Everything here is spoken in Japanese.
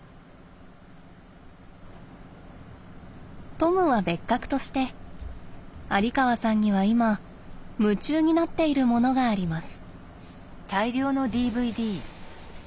トムは別格として有川さんには今夢中になっているものがあります。